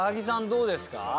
どうですか？